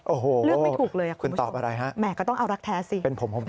โอ้โฮคุณตอบอะไรฮะแหมก็ต้องเอารักแท้สิโอ้โฮเลือกไม่ถูกเลย